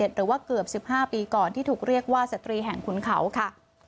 หรือว่าเกือบ๑๕ปีก่อนที่ถูกเรียกว่าสตรีแห่งขุนเขาค่ะ